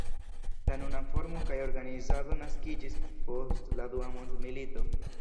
La nuna formo kaj organizado naskiĝis post la Dua mondmilito.